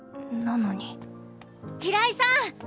平井さん！